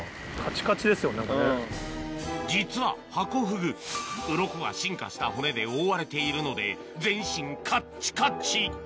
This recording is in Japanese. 実はハコフグウロコが進化した骨で覆われているので全身カッチカチ！